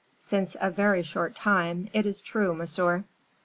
"Since a very short time, it is true, monsieur."